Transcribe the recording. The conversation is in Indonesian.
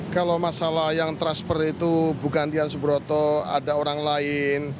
kalau masalah yang transfer itu bukan dian subroto ada orang lain